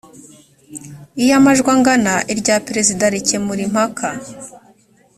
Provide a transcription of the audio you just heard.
iyo amajwi angana irya perezida rikemura impaka